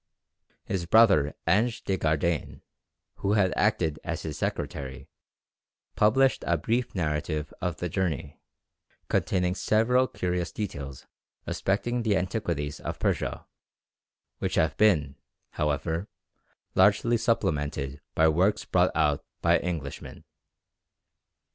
His brother Ange de Gardane, who had acted as his secretary, published a brief narrative of the journey, containing several curious details respecting the antiquities of Persia, which have been, however, largely supplemented by works brought out by Englishmen.